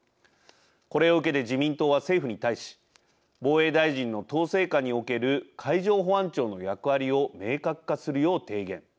これを受けて自民党は政府に対し防衛大臣の統制下における海上保安庁の役割を明確化するよう提言。